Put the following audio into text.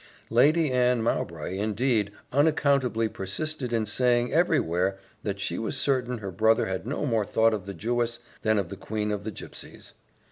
Lady Anne Mowbray, indeed, unaccountably persisted in saying every where, that she was certain her brother had no more thought of the Jewess than of the queen of the gipsies.